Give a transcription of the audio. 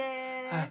はい。